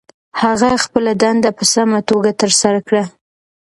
هغه خپله دنده په سمه توګه ترسره کړه.